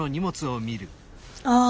ああ。